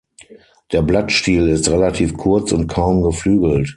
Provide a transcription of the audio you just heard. Der Blattstiel ist relativ kurz und kaum geflügelt.